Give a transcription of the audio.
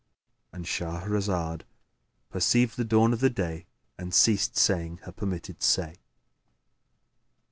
— And Shahrazad perceived the dawn of day and ceased saying her permitted say.